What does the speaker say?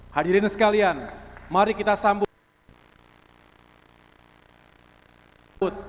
hadirin sekalian mari kita sambut